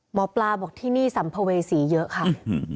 หมอปลาบอกที่นี่สัมภเวษีเยอะค่ะ